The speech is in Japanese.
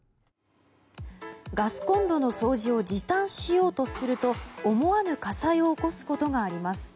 ガスコンロの掃除を時短しようとすると思わぬ火災を起こすことがあります。